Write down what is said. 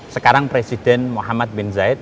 sekarang presiden muhammad bin zaid